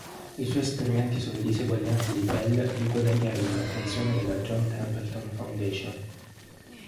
I suoi esperimenti sulle disuguaglianze di Bell gli guadagnarono l'attenzione della John Templeton Foundation.